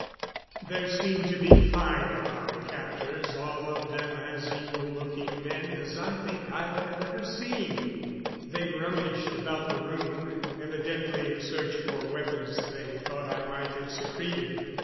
There seemed to be five of our captors, all of them as evil looking men as I think I have ever seen. They rummaged about the room, evidently in search for weapons they thought I might have secreted.